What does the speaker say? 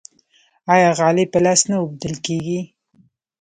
آیا غالۍ په لاس نه اوبدل کیږي؟